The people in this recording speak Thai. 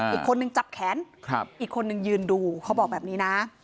อีกคนนึงจับแขนอีกคนนึงยืนดูเขาบอกแบบนี้นะ